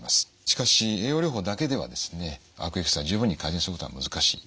しかし栄養療法だけではですね悪液質が十分に改善することは難しい。